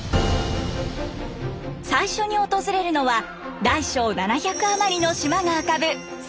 最初に訪れるのは大小７００余りの島が浮かぶ瀬戸内海の島。